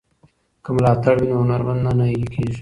که ملاتړ وي نو هنرمند نه نهیلی کیږي.